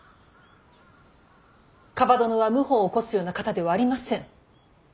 蒲殿は謀反を起こすような方ではありません。